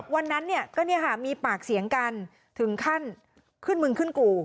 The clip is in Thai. วันนั้นเนี่ยก็มีปากเสียงกันถึงขั้นขึ้นมึงขึ้นกู